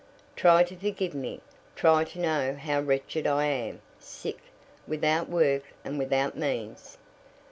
"Try to forgive me try to know how wretched I am sick, without work and without means.